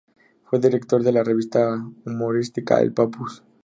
Fue director de la revista humorística "El Papus".